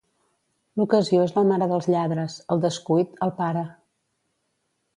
L'ocasió és la mare dels lladres; el descuit, el pare.